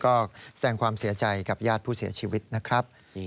ก็แสงความเสียใจกับญาติผู้เสียชีวิตนะครับ